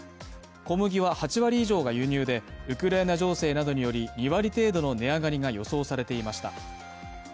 小麦は８割以上が輸入でウクライナ情勢などにより２割程度の値上がりが予想されていました。